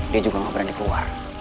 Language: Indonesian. dia juga nggak berani keluar